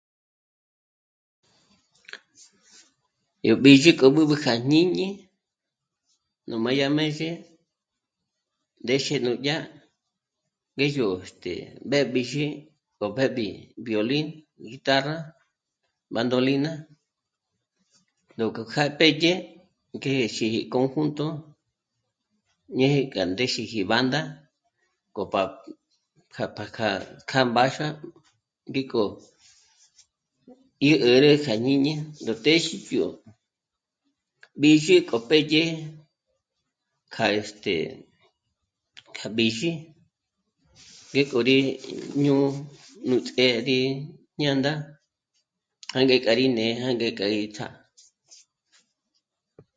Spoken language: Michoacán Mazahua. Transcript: Yó b'ízhi kja b'ǚb'ü kja jñíni nú máya m'éxe ndéxe nújya ngéj yó este... mbépjiji gó pèpji violín, guitarra, bandolina jóko já pédye ngéje conjunto ñéje k'a ndéxeji banda k'o pa kja... pa kja... kja mbáxua ngíko y 'ä̀rä kja jñíni yó téxe yó b'ízhi k'o pédye kja... este... kja b'ízhi ngéko rí jñū́'ū nú ts'é rí jñā̌ndā jânge kja rí né'e ngéka gí ts'á